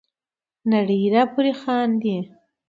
نړۍ را پوري خاندي.